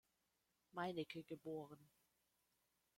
Meinecke geboren.